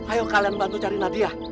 ayo kalian bantu cari nadia